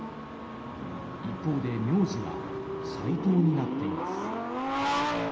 一方で、名字は齋藤になっています。